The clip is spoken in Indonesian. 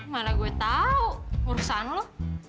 malah gue tau urusan lo